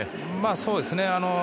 そうですね。